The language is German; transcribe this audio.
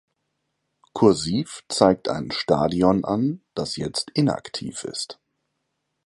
„Kursiv“ zeigt ein Stadion an, das jetzt inaktiv ist.